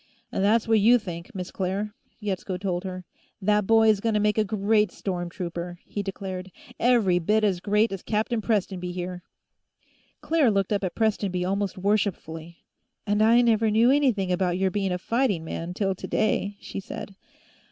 "That's what you think, Miss Claire," Yetsko told her. "That boy's gonna make a great storm trooper," he declared. "Every bit as great as Captain Prestonby, here." Claire looked up at Prestonby almost worshipfully. "And I never knew anything about your being a fighting man, till today," she said.